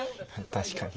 確かに。